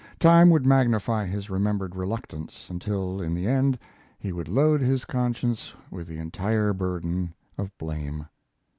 Time would magnify his remembered reluctance, until, in the end, he would load his conscience with the entire burden of blame.